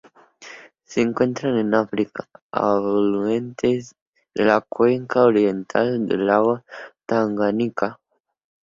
Se encuentran en África: afluentes de la cuenca oriental del lago Tanganika.